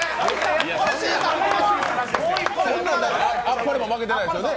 あっぱれも負けてないですよね？